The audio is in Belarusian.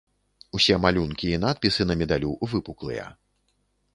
Усе малюнкі і надпісы на медалю выпуклыя.